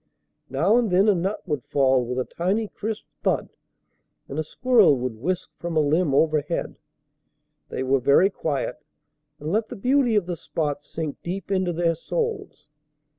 Now and then a nut would fall with a tiny crisp thud, and a squirrel would whisk from a limb overhead. They were very quiet, and let the beauty of the spot sink deep into their souls.